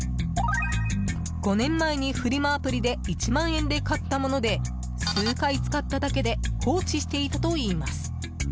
５年前に、フリマアプリで１万円で買ったもので数回使っただけで放置していたといいます。